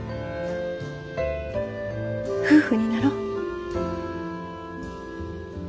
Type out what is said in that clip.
夫婦になろう。